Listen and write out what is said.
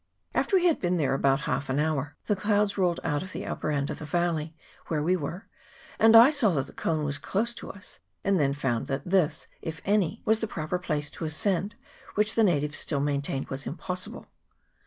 After we had been there about half an hour, the clouds rolled out of the upper end of the valley where we were, and I saw that the cone was close to us, and then found that this, if any, was the proper place to ascend, which the natives still main tained was impossible.